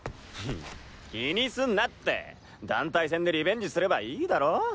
気にすんなって団体戦でリベンジすればいいだろ？